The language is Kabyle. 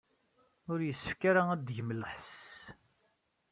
Ur yessefk ara ad tgem lḥess.